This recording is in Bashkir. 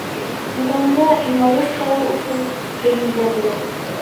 Нурания юморескалар уҡый, бейей ҙә белә.